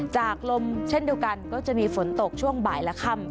จากลมเช่นเดียวกันก็จะมีฝนตกช่วงบ่ายและค่ำ